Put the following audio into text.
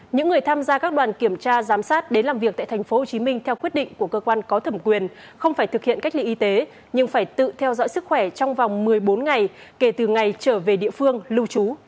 những người tham gia các đoàn kiểm tra giám sát đến làm việc tại tp hcm theo quyết định của cơ quan có thẩm quyền không phải thực hiện cách ly y tế nhưng phải tự theo dõi sức khỏe trong vòng một mươi bốn ngày kể từ ngày trở về địa phương lưu trú